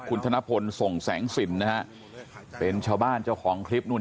คุณธนพลส่งแสงสินนะฮะเป็นชาวบ้านเจ้าของคลิปนู่น